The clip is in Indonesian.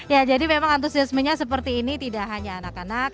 ya jadi memang antusiasmenya seperti ini tidak hanya anak anak